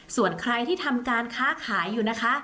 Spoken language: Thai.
ส่วนใครที่ทำการค้าขายอยู่นะคะ